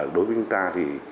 đối với chúng ta thì